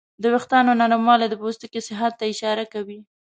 د وېښتیانو نرموالی د پوستکي صحت ته اشاره کوي.